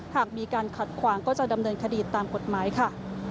หากมีการขัดขวางก็จะดำเนินคดีตามกฎหมายค่ะ